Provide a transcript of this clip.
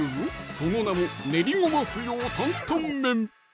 その名も「練りごま不要！担々麺」